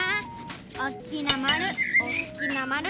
おっきなまるおっきなまる。